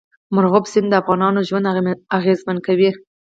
مورغاب سیند د افغانانو ژوند اغېزمن کوي.